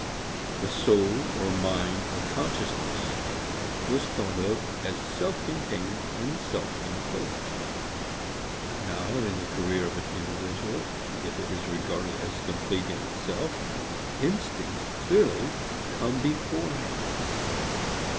The soul or mind or consciousness was thought of as self contained and self enclosed. Now in the career of an individual if it is regarded as complete in itself instincts clearly come before habits.